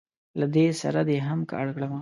له ده سره دې هم که اړمه کړه.